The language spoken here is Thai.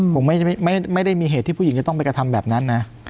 ผมไม่ได้มีเหตุที่ผู้หญิงจะต้องไปกระทำแบบนั้นนะ